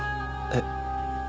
えっ。